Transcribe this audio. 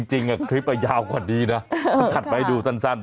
เอ้าจริงเนี่ยคลิปเอายาวกว่าดีนะเออค่ะขัดไปดูสั้น